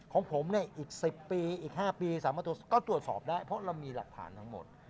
ของผมเนี่ยอีก๑๐ปีอีก๕ปีสามารถก็ตรวจสอบได้เพราะเรามีหลักฐานทั้งหมด